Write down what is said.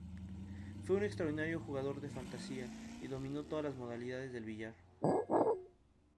Fue un extraordinario jugador de fantasía y dominó todas las modalidades del billar.